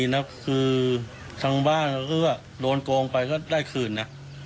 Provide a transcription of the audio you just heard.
บักขอซื้อเป็นแสน